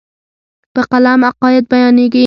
په قلم عقاید بیانېږي.